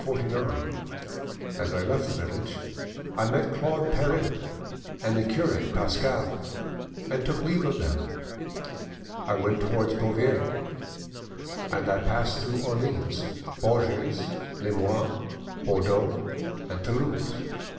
As I left the village, I met Claude Perrin and the cure Pascal, and took leave of them. I went towards Beauvais, end I passed through Orleans, Bourges, Limoges, Bordeaux, and Toulouse.